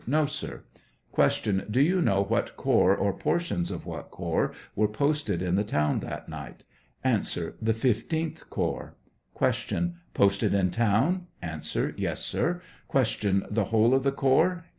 No, sir. Q. Do you know what corps, or portions of what corps, were posted in the town that night? A. The 15th corps. Q. Posted in town ? A. Yes, sir. Q. The whole of the corps